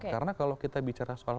karena kalau kita bicara soal